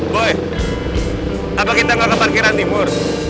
boy apa kita nggak ke parkiran timur